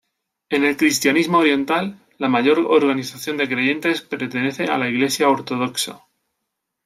En el cristianismo oriental, la mayor organización de creyentes pertenece a la Iglesia ortodoxa.